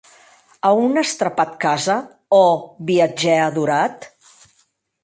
A on as trapat casa, ò viatgèr adorat?